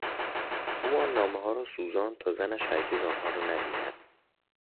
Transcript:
او آن نامهها را سوزاند تا زنش هرگز آنها را نبیند.